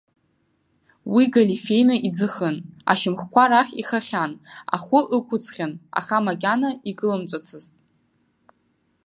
Уи галифеины иӡахын, ашьамхқәа рахь иххаахьан, ахәы ақәыҵхьан, аха макьана икылымҵәацызт.